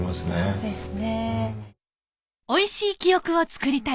そうですね。